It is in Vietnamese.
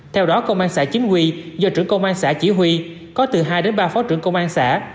theo đó công an xã chính quy do trưởng công an xã chỉ huy có từ hai đến ba phó trưởng công an xã